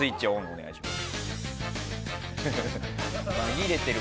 お願いします。